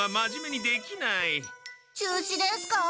中止ですか？